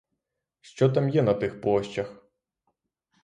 Що там є на тих площах?